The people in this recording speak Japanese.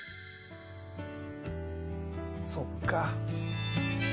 そっか。